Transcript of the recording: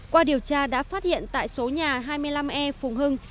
qua điều tra đã phát hiện tại số nhà hai mươi năm e phùng hưng